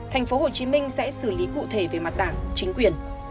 tp hcm sẽ xử lý cụ thể về mặt đảng chính quyền